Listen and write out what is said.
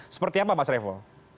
seperti apa mas revo